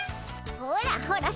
ほらほら